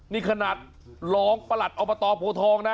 นี่ขนาดรองประหลัดอบตโพทองนะ